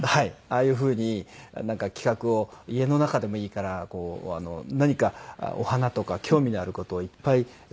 ああいう風になんか企画を家の中でもいいから何かお花とか興味のある事をいっぱい動いて。